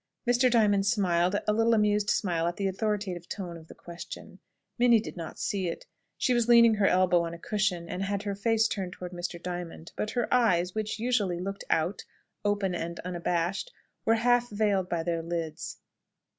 Mr. Diamond smiled a little amused smile at the authoritative tone of the question. Minnie did not see it. She was leaning her elbow on a cushion, and had her face turned towards Mr. Diamond; but her eyes, which usually looked out, open and unabashed, were half veiled by their lids.